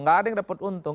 tidak ada yang dapat untung